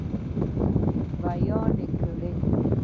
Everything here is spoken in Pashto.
بیان یې کړئ.